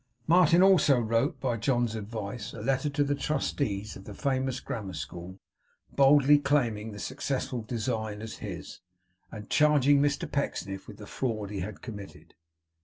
Martin also wrote, by John's advice, a letter to the trustees of the famous Grammar School, boldly claiming the successful design as his, and charging Mr Pecksniff with the fraud he had committed.